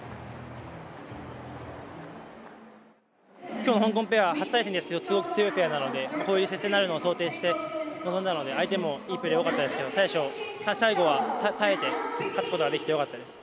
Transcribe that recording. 今日の香港ペア、初対戦ですけどすごく強いペアなので接戦になることを想定して臨んだので、相手もいいプレー多かったですが最後は耐えて勝つことができてよかったです。